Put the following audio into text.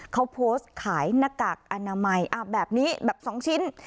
เขาโพสต์ขายหน้ากากอนามัยแบบนี้แบบ๒ชิ้น